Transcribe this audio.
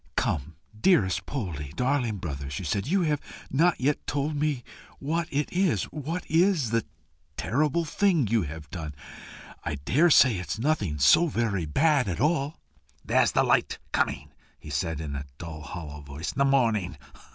"Come, dearest Poldie, darling brother!" she said, "you have not yet told me what it is. What is the terrible thing you have done? I daresay it's nothing so very bad after all!" "There's the light coming!" he said, in a dull hollow voice, " The morning!